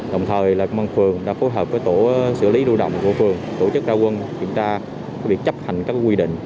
đồng thời công an phường đã phối hợp với tổ xử lý đua động của phường tổ chức ra quân kiểm tra quy định chấp hành các quy định